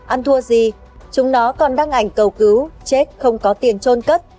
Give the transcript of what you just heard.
ăn thua gì chúng nó còn đăng ảnh cầu cứu chết không có tiền trôn cất